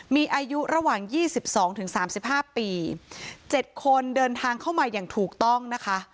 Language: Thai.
มีอายุระหว่าง๒๒๓๕ปี๗คนเดินทางเข้ามาอย่างถูกต้องนะคะ